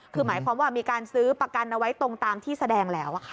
คือหมายความว่ามีการซื้อประกันเอาไว้ตรงตามที่แสดงแล้ว